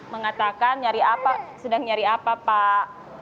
mengatakan nyari apa sedang nyari apa pak